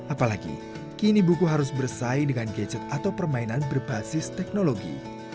apalagi kini buku harus bersaing dengan gadget atau permainan berbasis teknologi